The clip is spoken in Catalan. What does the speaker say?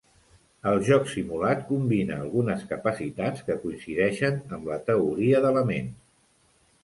El joc simulat combina algunes capacitats que coincideixen amb la teoria de la ment.